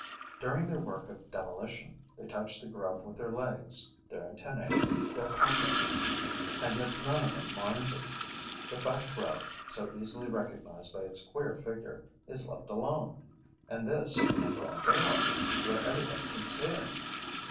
During their work of demolition, they touch the grub with their legs, their antennae, their palpi; and yet none of them minds it. The fat grub, so easily recognized by its queer figure, is left alone; and this in broad daylight, where everybody can see it.